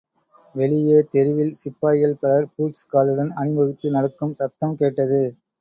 வெளியே தெருவில் சிப்பாய்கள் பலர் பூட்ஸ் காலுடன் அணிவகுத்து நடக்கும் சப்தம் கேட்டது.